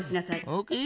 オーケー。